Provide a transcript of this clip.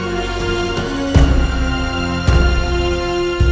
kandangkan kita akan menunggu